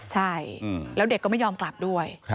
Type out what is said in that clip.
ใช่แล้วเด็กก็ไม่ยอมกลับด้วย